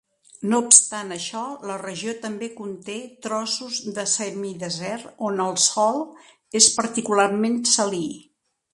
No obstant això, la regió també conté trossos de semidesert on el sòl és particularment salí.